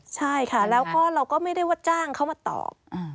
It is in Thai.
ใช่ค่ะแล้วก็เราก็ไม่ได้ว่าจ้างเขามาตอบ